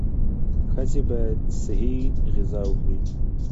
ښځې باید صحي غذا وخوري.